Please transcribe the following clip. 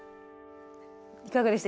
いかがでした？